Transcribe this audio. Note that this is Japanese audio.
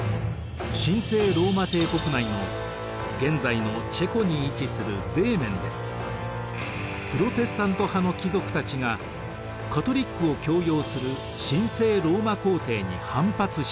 神聖ローマ帝国内の現在のチェコに位置するベーメンでプロテスタント派の貴族たちがカトリックを強要する神聖ローマ皇帝に反発しました。